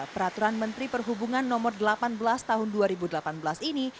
peraturan menteri perhubungan no delapan belas tahun dua ribu delapan belas ini